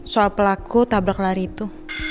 soal pelaku tabrak lari itu